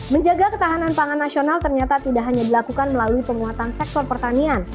menjaga ketahanan pangan nasional ternyata tidak hanya dilakukan melalui penguatan sektor pertanian